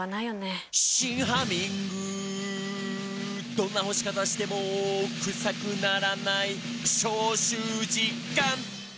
「どんな干し方してもクサくならない」「消臭実感！」